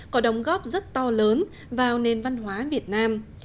có đóng góp rất to lớn vào nền văn hóa việt nam